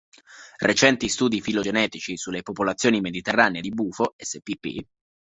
Recenti studi filogenetici sulle popolazioni mediterranee di "Bufo" spp.